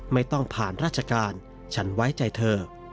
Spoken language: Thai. ไม่ต้องผ่านราชการฉันไว้ใจเธอ